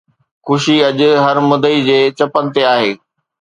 خوشي اڄ هر مدعي جي چپن تي آهي